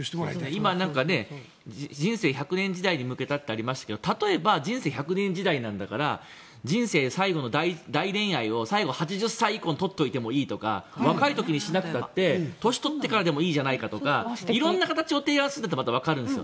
今、人生１００年時代に向けたってありますけど例えば人生１００年時代なんだから人生最後の大恋愛を最後、８０歳以降に取っておいてもいいとか若い時にしなくたって年取ってからでもいいじゃないかとか色んな形を提案するんだったらわかるんです。